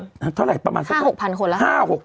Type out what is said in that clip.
นั่นเท่าไหร่ประมาณสัก๕๖พันคนแล้วครับ